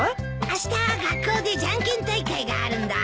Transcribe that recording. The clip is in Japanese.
あした学校でジャンケン大会があるんだ。